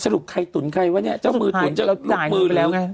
สรุปใครตุ๋นใครวะเนี่ยเจ้ามือตุ๋นจะหลุดมือแล้วไง